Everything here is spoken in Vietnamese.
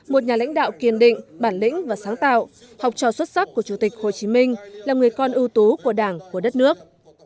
một nhà lãnh đạo kiên định bản lĩnh và sáng tạo học trò xuất sắc của chủ tịch hồ chí minh là người con ưu tú của đảng của đất nước